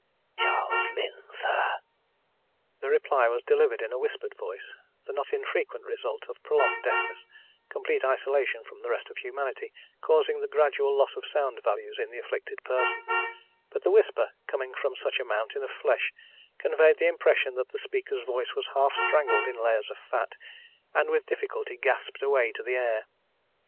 "Charles Lynn, sir." The reply was delivered in a whispered voice, the not infrequent result of prolonged deafness, complete isolation from the rest of humanity causing the gradual loss of sound values in the afflicted person; but the whisper, coming from such a mountain of flesh, conveyed the impression that the speaker's voice was half strangled in layers of fat, and with difficulty gasped a way to the air.